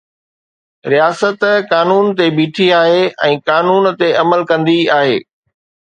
رياست قانون تي بيٺي آهي ۽ قانون تي عمل ڪندي آهي.